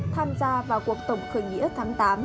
tham gia vào cuộc tổng khởi nghĩa tháng tám